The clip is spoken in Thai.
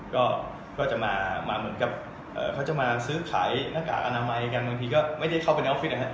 เขาจะมาซื้อขายหน้ากากอนามัยกันบางทีก็ไม่ได้เข้าไปในออฟฟิต